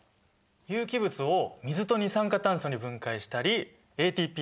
有機物を水と二酸化炭素に分解したりＡＴＰを合成したり。